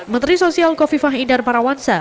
menteri sosial kofifah idar parawansa